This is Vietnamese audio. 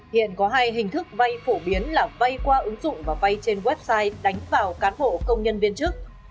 hiện có hai hình thức vay phổ biến là vay qua ứng dụng và vay trên website đánh vào cán bộ công nhân viên chức